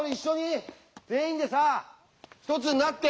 全員でさ一つになって！